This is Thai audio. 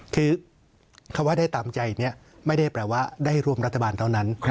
คือคำว่าได้ตามใจนี้ไม่ได้แปลว่าได้ร่วมรัฐบาลเท่านั้น